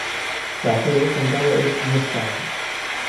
La sede del condado es Johnstown.